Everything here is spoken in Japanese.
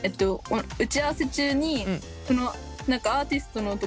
打ち合わせ中にえ。